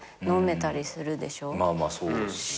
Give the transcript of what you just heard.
まあまあそうですね。